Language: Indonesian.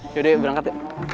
yaudah ya berangkat